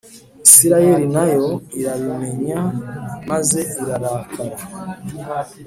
Isirayeli na yo irabimenya maze irrarakara